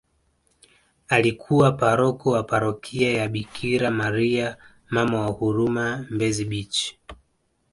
Alikuwa paroko wa parokia ya Bikira maria Mama wa huruma mbezi baech